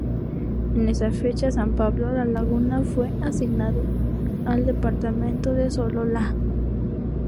En esa fecha, San Pablo La Laguna fue asignado al departamento de Sololá.